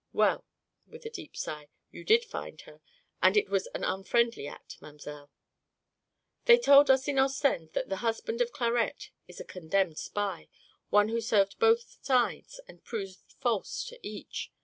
Well," with a deep sigh, "you did find her. It was an unfriendly act, mamselle." "They told us in Ostend that the husband of Clarette is a condemned spy, one who served both sides and proved false to each.